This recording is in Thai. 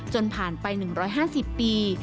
จนผ่านไป๑๕๐ปี